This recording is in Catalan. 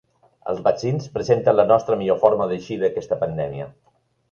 Els vaccins presenten la nostra millor forma d’eixir d’aquesta pandèmia.